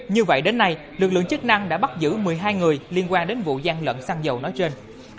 như vậy đến nay lực lượng chức năng đã bắt giữ một mươi hai người liên quan đến vụ gian lận xăng dầu nói trên